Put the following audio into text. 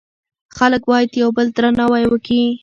خلک باید یو بل درناوی کړي.